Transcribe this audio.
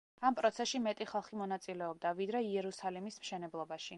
ამ პროცესში მეტი ხალხი მონაწილეობდა, ვიდრე იერუსალიმის მშენებლობაში.